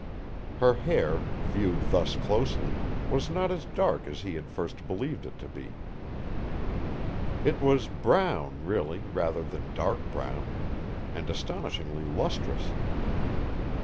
Her hair, viewed thus closely, was not as dark as he had at first believed it to be. It was brown, really, rather than dark brown. And astonishingly lustrous.